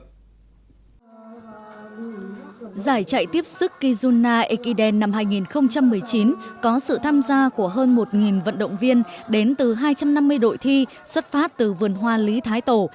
giải chạy tiếp sức kizuna ekiden năm hai nghìn một mươi chín có sự tham gia của hơn một vận động viên đến từ hai trăm năm mươi đội thi xuất phát từ vườn hoa lý thái tổ